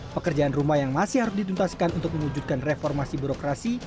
pekerjaan rumah yang masih harus dituntaskan untuk mewujudkan reformasi birokrasi